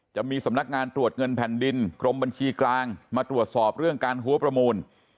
จะมีสำนักงานตรวจเงินแผ่นดินกรมบัญชีกลางมาตรวจสอบเรื่องการหัวประมูล